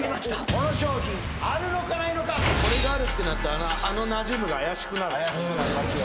この商品あるのかないのかこれがあるってなったらあの「なじむ」が怪しくなるな怪しくなりますよ